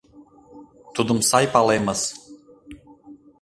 — Тудым сай палемыс.